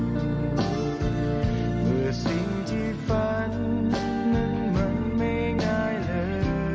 เมื่อสิ่งที่ฝันนั้นมันไม่ง่ายเลย